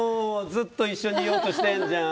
ずっと一緒にいようとしてんじゃん。